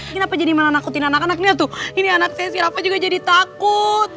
kenapa jadi malah nakutin anak anaknya tuh ini anak saya siapa juga jadi takut